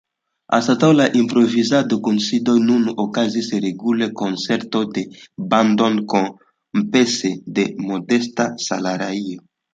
Anstataŭ la improvizad-kunsidoj nun okazis regule koncertoj de bandoj kompense de modestaj salajroj.